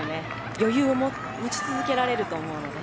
余裕を持ち続けられると思うので。